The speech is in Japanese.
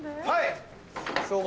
はい。